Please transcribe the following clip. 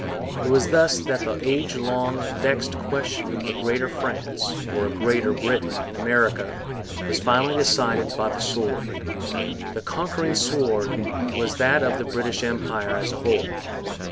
It was thus that the age long vexed question of a Greater France or a Greater Britain in America was finally decided by the sword. The conquering sword was that of the British Empire as a whole.